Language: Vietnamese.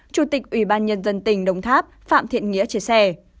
chủ tịch ủy ban nhân dân tỉnh đồng tháp phạm thiện nghĩa chia sẻ